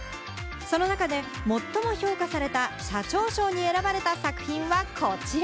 その中で最も評価された社長賞に選ばれた作品はこちら。